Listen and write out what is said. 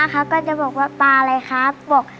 เขาก็จะบอกว่าปลาอะไรครับบอก